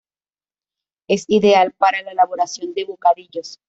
Es ideal para la elaboración de bocadillos.